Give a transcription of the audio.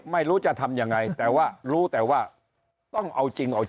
ไม่รู้จะทำอย่างไรแต่ว่ารู้แต่ว่า